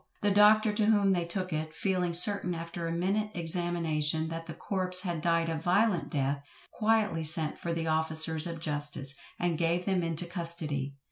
The doctor to whom they took it, feeling certain after a minute examination, that the corpse had died a violent death, quietly sent for the officers of justice, and gave them into custody.